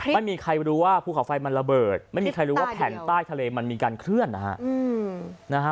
ไม่มีใครรู้ว่าภูเขาไฟมันระเบิดไม่มีใครรู้ว่าแผ่นใต้ทะเลมันมีการเคลื่อนนะฮะ